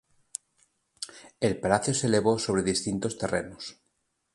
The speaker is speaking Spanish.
El palacio se elevó sobre distintos terrenos.